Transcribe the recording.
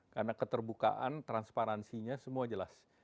karena keterbukaan transparansinya semua jelas